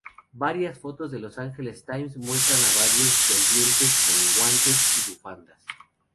Varias fotos de Los Angeles Times muestran a varios dolientes con guantes y bufandas.